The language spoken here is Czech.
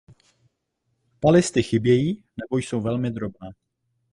Palisty chybějí nebo jsou velmi drobné.